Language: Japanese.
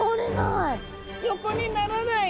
横にならない！